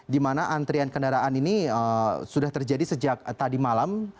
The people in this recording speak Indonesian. dimana antrian kendaraan ini sudah terjadi sejak tadi malam